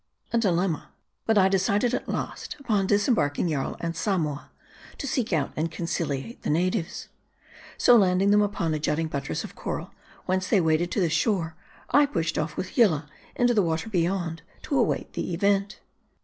A dilemma. But I decided at last upon disembarking Jarl and Samoa, to seek out and conciliate the natives. So, landing them upon a jutting buttress of coral, whence they waded to the shore ; I pushed off with Yillah into the water beyond, to await the event.